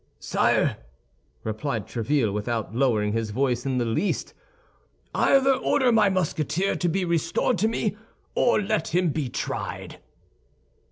"Sire," replied Tréville, without lowering his voice in the least, "either order my Musketeer to be restored to me, or let him be tried."